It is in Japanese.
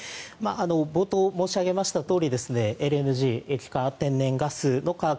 冒頭申し上げましたとおりＬＮＧ・液化天然ガスの価格